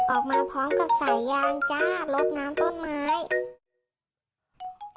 ออกมาพร้อมกับสายยางจ้าลดน้ำต้นไม้